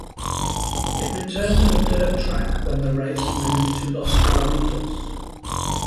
It returned to a dirt track when the race moved to Los Alamitos.